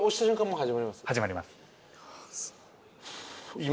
始まります。